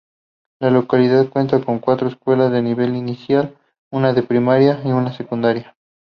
La localidad cuenta con cuatro escuelas de nivel inicial, una de primaria, una secundaria.